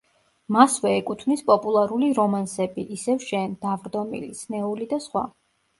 მასვე ეკუთვნის პოპულარული რომანსები: „ისევ შენ“, „დავრდომილი“, „სნეული“ და სხვა.